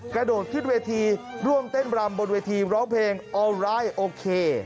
กระโดดขึ้นเวทีร่วมเต้นรำบนเวทีร้องเพลงออนไลน์โอเค